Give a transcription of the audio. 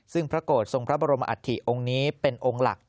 ซึ่งพระโกรธทรงพระบรมอัฐิองค์นี้เป็นองค์หลัก